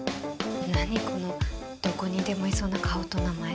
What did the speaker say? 何このどこにでもいそうな顔と名前。